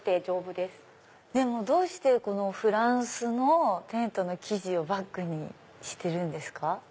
でもどうしてフランスのテントの生地をバッグにしてるんですか？